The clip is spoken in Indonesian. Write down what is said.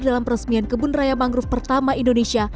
dalam peresmian kebun raya mangrove pertama indonesia